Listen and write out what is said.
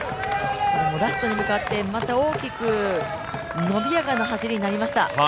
ラストに向かってまた大きく伸びやかな走りになりました。